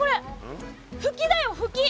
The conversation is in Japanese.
フキだよフキ。